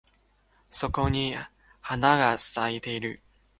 そこに花が咲いてる